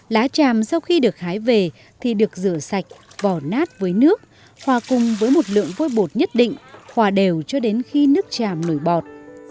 lá tràm sau khi được hái về thì được rửa sạch vỏ nát với nước hòa cùng với một lượng vôi bột nhất định hòa đều cho đến khi nước chàm nổi bọt